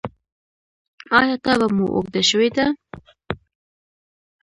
ایا تبه مو اوږده شوې ده؟